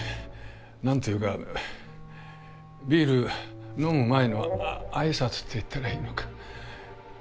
何て言うかビール飲む前の挨拶って言ったらいいのか。